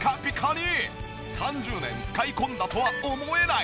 ３０年使い込んだとは思えない。